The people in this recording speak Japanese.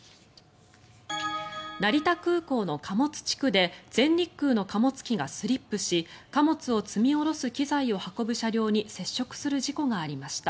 成田空港の貨物地区で全日空の貨物機がスリップし貨物を積み下ろす機材を運ぶ車両に接触する事故がありました。